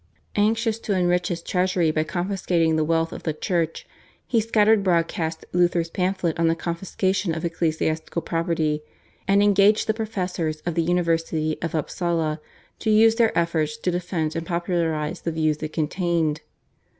Anxious to enrich his treasury by confiscating the wealth of the Church he scattered broadcast Luther's pamphlet on the confiscation of ecclesiastical property, and engaged the professors of the University of Upsala to use their efforts to defend and popularise the views it contained.